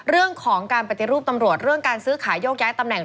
เรื่องของการปฏิรูปตำรวจเรื่องการซื้อขายโยกย้ายตำแหน่ง